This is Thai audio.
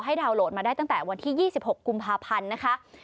ดาวนโหลดมาได้ตั้งแต่วันที่๒๖กุมภาพันธ์นะคะ